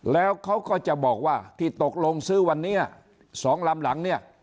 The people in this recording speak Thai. แล้วเขาก็จะบอกว่าที่ตกลงซื้อวันนี้๒ลำหลังเนี่ย